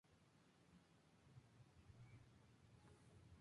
Como humanista dominó el latín y el griego.